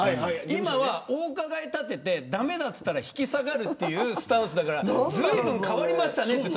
今は、お伺い立てて駄目だって言ったら引き下がるっていうスタンスだからずいぶん変わりましたねって